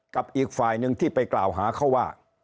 กับอีกฝ่ายหนึ่งที่ไปกล่าวหาเขาว่า